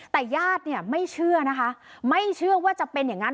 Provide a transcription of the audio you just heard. แต่ญาติเนี่ยไม่เชื่อนะคะไม่เชื่อว่าจะเป็นอย่างนั้น